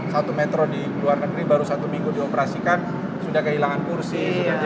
satu metro di luar negeri baru satu minggu dioperasikan sudah kehilangan kursi